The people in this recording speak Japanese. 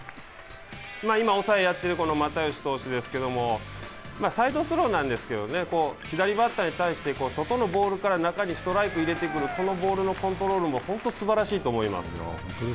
今抑えをやっている又吉投手ですけれどもサイドスローなんですけどね左バッターに対して外のボールから中にストライクを入れてくるこのボールのコントロールも本当にすばらしいと思います。